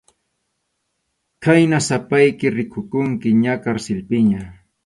Khayna sapayki rikukunki ña karsilpiña.